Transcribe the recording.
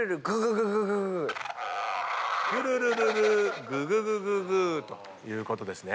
「キュルルルググググ」ということですね。